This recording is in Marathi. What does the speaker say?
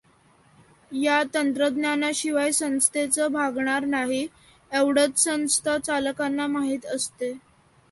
या तंत्रज्ञानाशिवाय संस्थेचं भागणार नाही, एवढंच संस्था चालकांना माहीत असते.